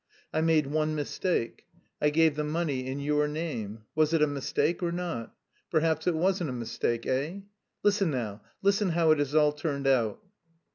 I made one mistake: I gave the money in your name; was it a mistake or not? Perhaps it wasn't a mistake, eh? Listen now, listen how it has all turned out...."